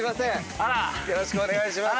よろしくお願いします。